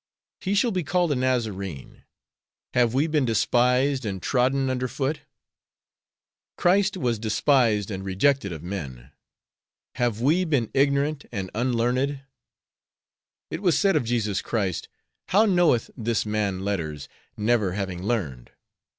'He shall be called a Nazarene.' Have we been despised and trodden under foot? Christ was despised and rejected of men. Have we been ignorant and unlearned? It was said of Jesus Christ, 'How knoweth this man letters, never having learned?'